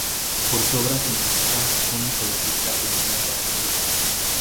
Por su obra científica, fue un ecologista pionero en Brasil.